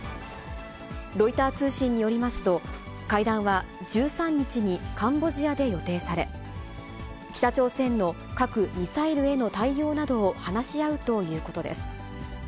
ロイター通信によりますと、会談は１３日にカンボジアで予定され、北朝鮮の核・ミサイルへの対応などを話し合うということです。